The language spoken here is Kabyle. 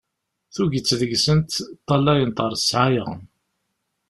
Tuget deg-sent ṭṭalayent ɣer ssɛaya.